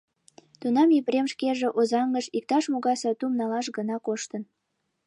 Тунам Епрем шкеже Озаҥыш иктаж-могай сатум налаш гына коштын.